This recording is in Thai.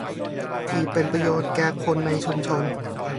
ที่เป็นประโยชน์แก่คนในชุมชน